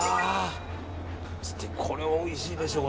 これ、おいしいでしょう。